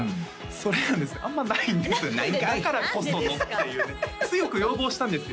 それがですねあんまないんですだからこそのっていうね強く要望したんですよ